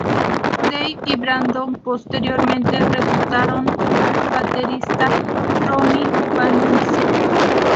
Dave y Brandon posteriormente reclutaron al baterista Ronnie Vannucci Jr.